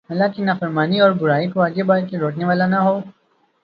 اللہ کی نافرمانی ہو اور برائی کوآگے بڑھ کر روکنے والا نہ ہو